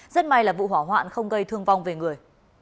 rất may là vụ hỏa hoạn không gây thương vong về người